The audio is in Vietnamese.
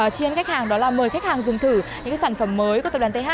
chiên khách hàng đó là mời khách hàng dùng thử những sản phẩm mới của tập đoàn th